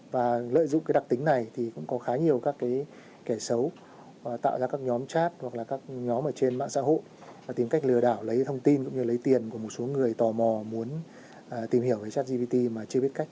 và lợi dụng cái đặc tính này thì cũng có khá nhiều các cái kẻ xấu và tạo ra các nhóm chat hoặc là các nhóm ở trên mạng xã hội và tìm cách lừa đảo lấy thông tin cũng như lấy tiền của một số người tò mò muốn tìm hiểu về chatgpt mà chưa biết cách